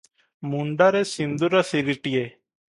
ମୁଣ୍ଡରେ ସିନ୍ଦୂର ସିରିଟିଏ